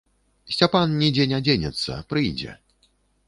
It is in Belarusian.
Сцяпан нідзе не дзенецца, прыйдзе.